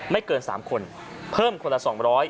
ไม่เกิน๓คนเพิ่มคนละ๒๐๐